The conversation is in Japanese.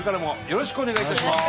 よろしくお願いします。